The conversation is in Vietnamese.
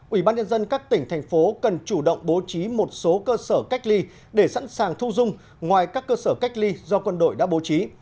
ủy ban nhân dân các tỉnh thành phố cần chủ động bố trí một số cơ sở cách ly để sẵn sàng thu dung ngoài các cơ sở cách ly do quân đội đã bố trí